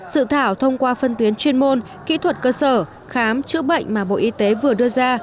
sự thảo thông qua phân tuyến chuyên môn kỹ thuật cơ sở khám chữa bệnh mà bộ y tế vừa đưa ra